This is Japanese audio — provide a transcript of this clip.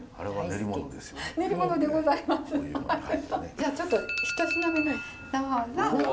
じゃあちょっと一品目どうぞ。